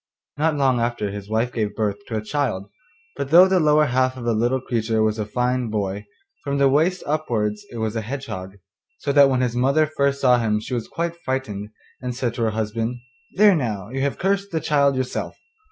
Not long after this his wife gave birth to a child, but though the lower half of the little creature was a fine boy, from the waist upwards it was a hedgehog, so that when his mother first saw him she was quite frightened, and said to her husband, 'There now, you have cursed the child yourself.